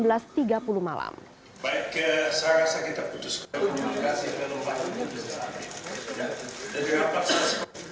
baik saya rasa kita putuskan terima kasih